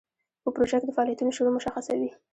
په پروژه کې د فعالیتونو شروع مشخصه وي.